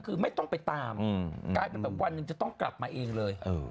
คือไม่ต้องไปตามกลายเป็นแบบวันหนึ่งจะต้องกลับมาเองเลย